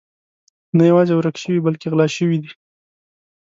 نه یوازې ورک شوي بلکې غلا شوي دي.